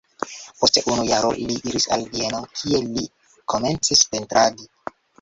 Post unu jaro li iris al Vieno, kie li komencis pentradi.